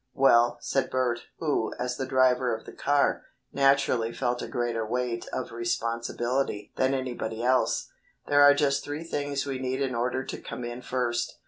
'" "Well," said Bert, who, as the driver of the car, naturally felt a greater weight of responsibility than anybody else, "there are just three things we need in order to come in first.